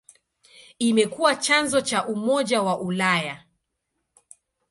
Imekuwa chanzo cha Umoja wa Ulaya.